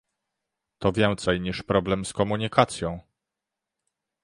To więcej niż problem z komunikacją!